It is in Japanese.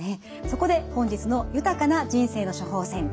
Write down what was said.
そこで本日の「豊かな人生の処方せん」